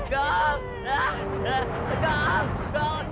jangan kejar aku ampun